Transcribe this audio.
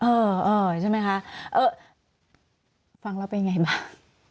เออใช่ไหมคะฟังแล้วเป็นอย่างไรบ้าง